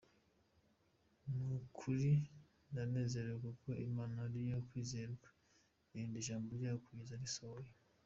"Ni ukuri ndanezerewe ko Imana ari iyo kwizerwa, irinda ijambo ryayo kugeza risohoye.